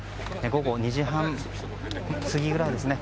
午後２時半過ぎぐらいですね。